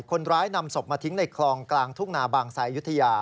คนร้ายนำศพมาทิ้งในคลองกลางทุ่งนาบางไซดยุธยา